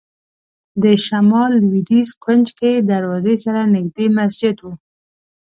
د شمال لوېدیځ کونج کې دروازې سره نږدې مسجد و.